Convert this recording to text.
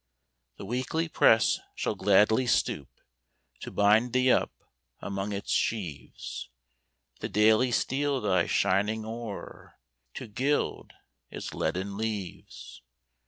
The Weekly press shall gladly stoop To bind thee up among its sheaves; The Daily steal thy shining ore, To gild its leaden leaves.